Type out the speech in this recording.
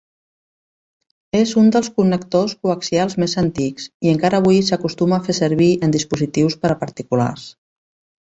És un dels connectors coaxials més antics i encara avui s'acostuma a fer servir en dispositius per a particulars.